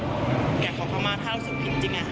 แกขอเข้ามาถ้ารู้สึกผิดจริง